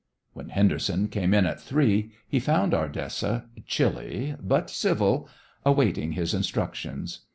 When Henderson came in at three he found Ardessa, chilly, but civil, awaiting his instructions.